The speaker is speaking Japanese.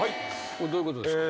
これどういうことですか？